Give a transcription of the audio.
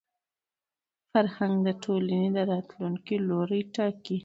فرهنګ د ټولني د راتلونکي لوری ټاکي.